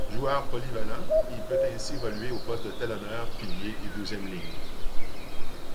Joueur polyvalent, il peut ainsi évoluer aux postes de talonneur, pilier et deuxième ligne.